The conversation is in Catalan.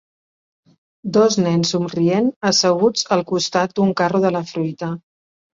Dos nens somrient asseguts al costat d'un carro de la fruita